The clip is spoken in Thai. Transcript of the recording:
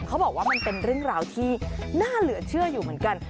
เขาบอกว่ามันเป็นเรื่องราวที่น่าเหลือเชื่ออยู่เหมือนกัน